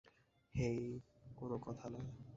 হেই, কোন কথা না!